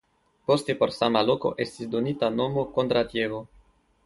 Poste por sama loko estis donita nomo Kondratjevo.